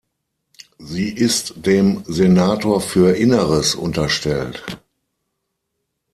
Sie ist dem Senator für Inneres unterstellt.